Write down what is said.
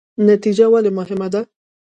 نتیجه ولې مهمه ده؟